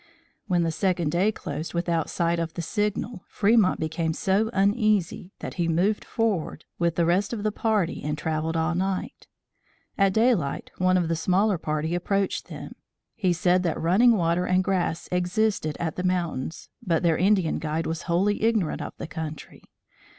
When the second day closed without sight of the signal, Fremont became so uneasy that he moved forward with the rest of the party and travelled all night. At daylight, one of the smaller party approached them. He said that running water and grass existed at the mountains, but their Indian guide was wholly ignorant of the country.